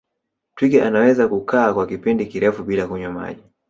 twiga anaweza kukaa kwa kipindi kirefu bila kunywa maji